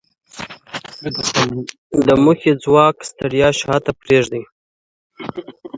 د موخې ځواک ستړیا شاته پرېږدي